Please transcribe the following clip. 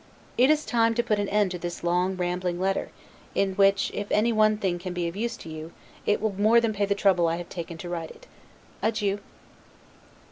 It is time to put an end to this long rambling letter; in which if any one thing can be of use to you, it will more than pay the trouble I have taken to write it. Adieu!